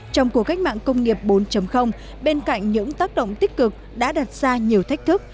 trong cuộc cách mạng công nghiệp bốn bên cạnh những tác động tích cực đã đặt ra nhiều thách thức